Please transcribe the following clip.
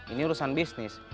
ini urusan bisnis